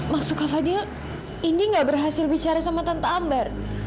maksud kak fadil indi nggak berhasil bicara sama tante ambar